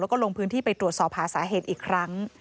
แล้วก็ลงพื้นที่ไปตรวจสอบหาสาเหตุอีกครั้ง